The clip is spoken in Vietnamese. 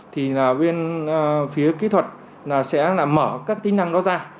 thì phía kỹ thuật sẽ mở các tính năng đó ra